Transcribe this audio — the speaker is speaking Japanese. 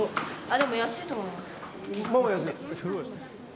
安いと思います。